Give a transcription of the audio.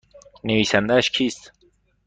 نویسندهاش کیست؟